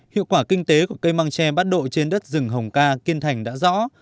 hiệu quả kinh tế của cây măng tre bắt độ trên đất rừng hồng ca kiên thành đã rõ